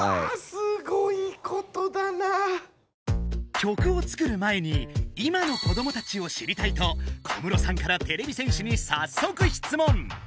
曲を作る前に今の子どもたちを知りたいと小室さんからてれび戦士にさっそくしつもん！